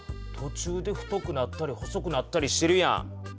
とちゅうで太くなったり細くなったりしてるやん。